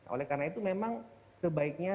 oleh karena itu memang sebaiknya